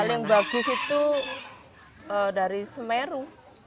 paling bagus itu dari semeru